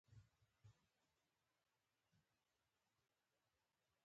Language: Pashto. مو په اسانۍ وویني، د اورګاډي پر پټلۍ باندې روان شو.